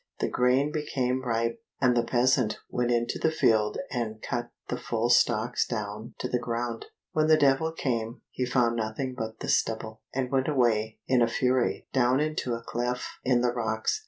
The grain became ripe, and the peasant went into the field and cut the full stalks down to the ground. When the Devil came, he found nothing but the stubble, and went away in a fury down into a cleft in the rocks.